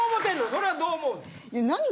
それはどう思うねん？